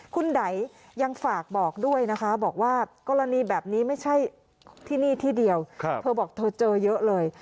คุณไดยังฝากบอกด้วยนะคะบอกว่ากรณีแบบนี้ไม่ใช่ที่นี่ที่เดียวเธอบอกเธอเจอเยอะเลย